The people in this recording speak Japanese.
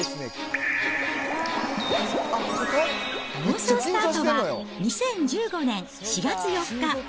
放送スタートは２０１５年４月４日。